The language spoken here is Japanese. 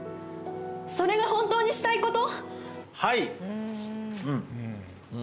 それが本当にしたいこと？